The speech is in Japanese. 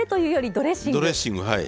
ドレッシングはい。